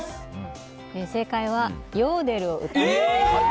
正解はヨーデルを歌うです。